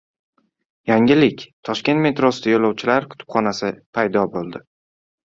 Yangilik! Toshkent metrosida yo‘lovchilar kutubxonasi paydo bo‘ldi